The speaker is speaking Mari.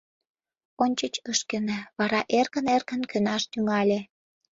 Ончыч ыш кӧнӧ, вара эркын-эркын кӧнаш тӱҥале.